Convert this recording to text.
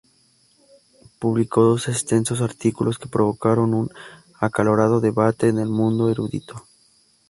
Publicó dos extensos artículos que provocaron un acalorado debate en el mundo erudito.